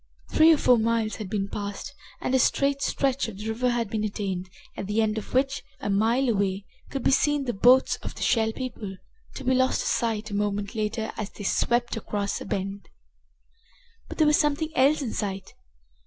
Three or four miles had been passed and a straight stretch of the river had been attained, at the end of which, a mile away, could be seen the boats of the Shell People, to be lost to sight a moment later as they swept around a bend. But there was something else in sight.